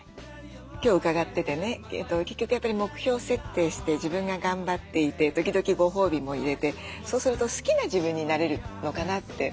今日伺っててね結局やっぱり目標設定して自分が頑張っていて時々ご褒美も入れてそうすると好きな自分になれるのかなって。